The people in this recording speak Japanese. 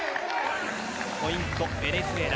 ポイント、ベネズエラ。